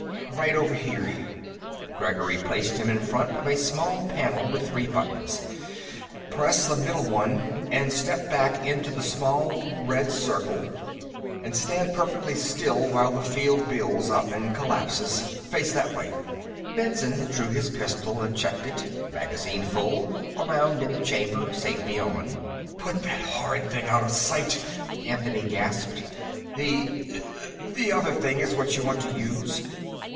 "Right over here." Gregory placed him in front of a small panel with three buttons. "Press the middle one, and step back into the small red circle and stand perfectly still while the field builds up and collapses. Face that way." Benson drew his pistol and checked it; magazine full, a round in the chamber, safety on. "Put that horrid thing out of sight!" Anthony gasped. "The ... the other thing ... is what you want to use."